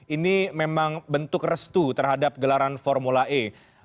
ini memang bentuk restu terhadap gelaran formula e